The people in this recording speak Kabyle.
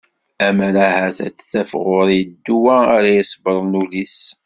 Ammer ahat ad taf ɣur yiḍ ddwa ara iṣebbren ul-is.